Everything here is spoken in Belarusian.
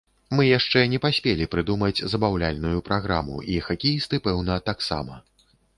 Мы яшчэ не паспелі прыдумаць забаўляльную праграму, і хакеісты, пэўна, таксама.